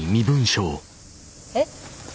えっ！？